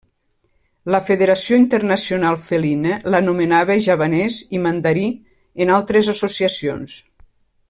La Federació Internacional Felina l'anomenava Javanès i Mandarí en altres associacions.